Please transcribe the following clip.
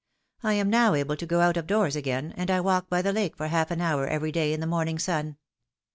I am now able to go out of doors again, and I walk by the lake for half an hour every day in the morning sun.